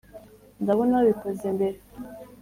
ndabona wabikoze mbere.